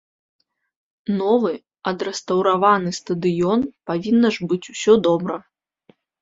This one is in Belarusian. Новы, адрэстаўраваны стадыён, павінна ж быць усё добра.